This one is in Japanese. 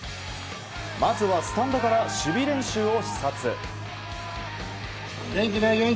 まずはスタンドから守備練習を視察。